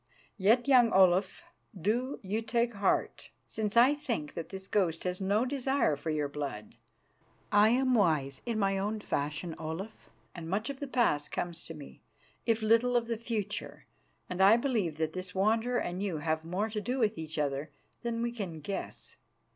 Yet, young Olaf, do you take heart, since I think that this ghost has no desire for your blood. I am wise in my own fashion, Olaf, and much of the past comes to me, if little of the future, and I believe that this Wanderer and you have more to do with each other than we can guess.